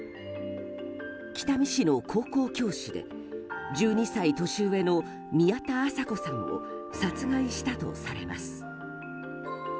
北見市の高校教師で１２歳年上の宮田麻子さんを殺害したとされます。